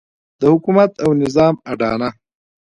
د حکومت او نظام اډانه.